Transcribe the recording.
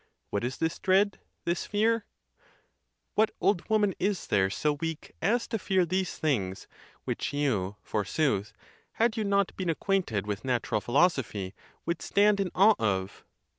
What is this dread—this fear? What old woman is there so weak as to fear these things, which you, forsooth, had you not been acquainted with natural philos ophy, would stand in awe of?